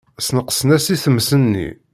Sneqsen-as i tmes-nni.